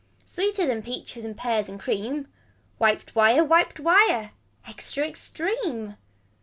Sweeter than peaches and pears and cream. Wiped wire wiped wire. Extra extreme.